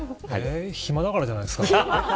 暇だからじゃないですか。